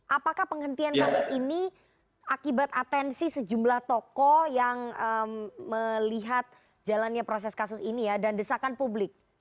apakah penghentian kasus ini akibat atensi sejumlah tokoh yang melihat jalannya proses kasus ini ya dan desakan publik